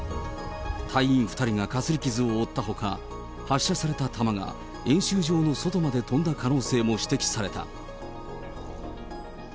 隊員２人がかすり傷を負ったほか、発射された弾が演習場の外まで飛んだ可能性まで指摘された。